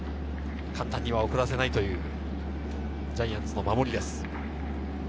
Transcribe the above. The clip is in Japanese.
簡単には送らせないというジャイアンツの守りです。